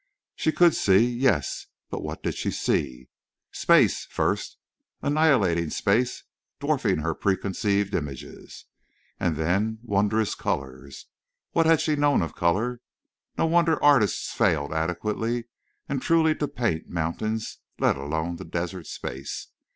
She could see—yes—but what did she see? Space first, annihilating space, dwarfing her preconceived images, and then wondrous colors! What had she known of color? No wonder artists failed adequately and truly to paint mountains, let alone the desert space.